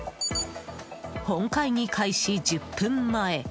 本会議開始１０分前。